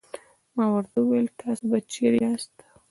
ما ورته وویل: تاسې به چیرې یاست؟